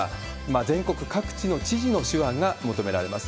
全国各地の知事の手腕が求められます。